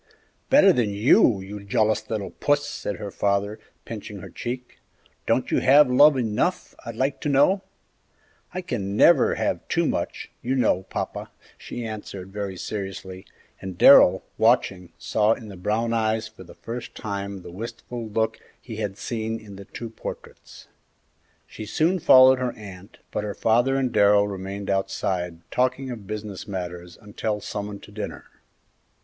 "Better than you, you jealous little Puss!" said her father, pinching her cheek; "don't you have love enough, I'd like to know?" "I can never have too much, you know, papa," she answered, very seriously, and Darrell, watching, saw in the brown eyes for the first time the wistful look he had seen in the two portraits. She soon followed her aunt, but her father and Darrell remained outside talking of business matters until summoned to dinner.